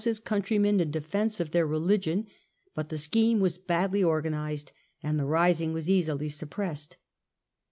j^jg countrymen in defence of their religion; but the scheme was badly organized, and the rising was easily suppressed.